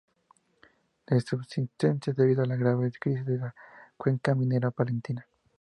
De subsistencia, debido a la grave crisis de la cuenca minera palentina.